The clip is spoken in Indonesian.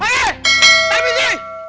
hei tapi di